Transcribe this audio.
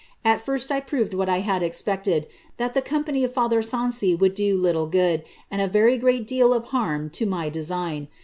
Ai first I proved what I had expected, that the ^'ompany of father Sancy would do little good, and a very great deal of harm, to my design.